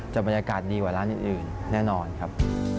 แต่บรรยากาศดีกว่าร้านอื่นแน่นอนครับ